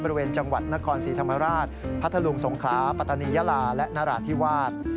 บริเวณจังหวัดนครศรีธรรมราชพัทธลุงสงขลาปัตตานียาลาและนราธิวาส